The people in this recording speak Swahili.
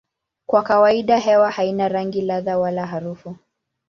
Kwa kawaida hewa haina rangi, ladha wala harufu.